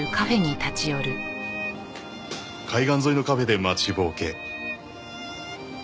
海岸沿いのカフェで待ちぼうけ。